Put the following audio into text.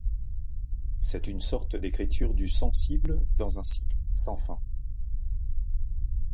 C'est une sorte d'écriture du sensible dans un cycle sans fin.